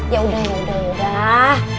yaudah yaudah yaudah